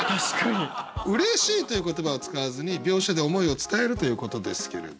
「嬉しい」という言葉を使わずに描写で思いを伝えるということですけれど。